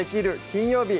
金曜日」